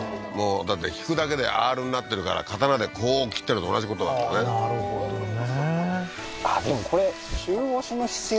だって引くだけでアールになってるから刀でこう切ってるのと同じことだからねなるほどね